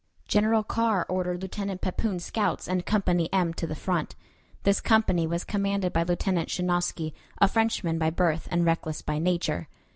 General Carr ordered Lieutenant Pepoon's scouts and Company M to the front. This company was commanded by Lieutenant Schinosky, a Frenchman by birth and reckless by nature.